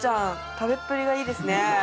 食べっぷりがいいですね。